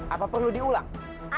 apa perlu dikatakan pak man